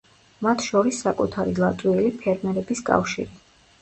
მათ შორის საკუთარი ლატვიელი ფერმერების კავშირი.